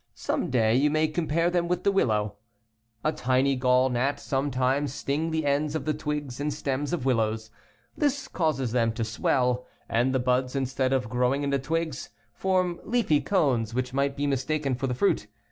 Some day you may compare them with the willow. 15 A tiny gall gnat sometimes sting the ends of the twigs and stems of willows. This causes them to swell, and the buds instead of growing into twigs, form leafy cones which might be mistaken for the fruit.